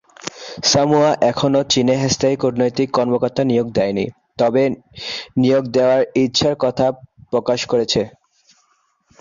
Samoa এখনও চীনে স্থায়ী কূটনৈতিক কর্মকর্তা নিয়োগ দেয়নি, তবে নিয়োগ দেওয়ার ইচ্ছার কথা প্রকাশ করেছে।